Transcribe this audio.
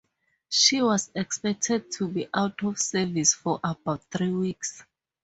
She was expected to be out of service for about three weeks.